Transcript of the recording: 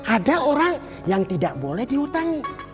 ada orang yang tidak boleh dihutangi